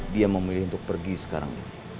dia memilih untuk pergi sekarang